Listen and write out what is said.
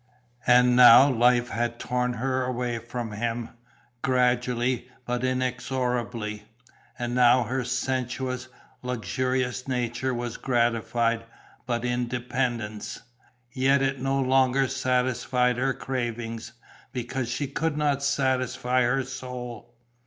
And now life had torn her away from him, gradually but inexorably. And now her sensuous, luxurious nature was gratified, but in dependence; yet it no longer satisfied her cravings, because she could not satisfy her soul.